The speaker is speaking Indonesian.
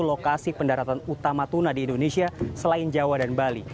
lokasi pendaratan utama tuna di indonesia selain jawa dan bali